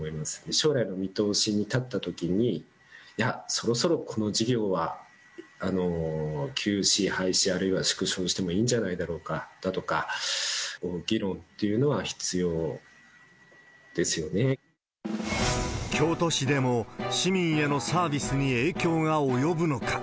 将来の見通しに立ったときに、いや、そろそろこの事業は休止、廃止、あるいは縮小してもいいんじゃないかだとか、京都市でも、市民へのサービスに影響が及ぶのか。